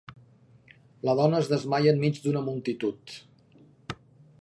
La dona es desmaia enmig d'una multitud.